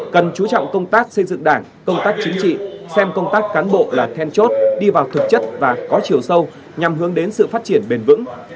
công tác cán bộ là then chốt đi vào thực chất và có chiều sâu nhằm hướng đến sự phát triển bền vững